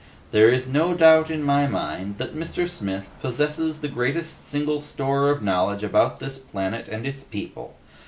There is no doubt in my mind that Mr. Smith possesses the greatest single store of knowledge about this planet and its people.